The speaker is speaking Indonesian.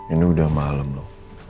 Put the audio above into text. ini udah malem loh